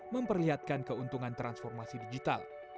memperlihatkan keuntungan transformasi digital